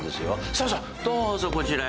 さあさあどうぞこちらへ。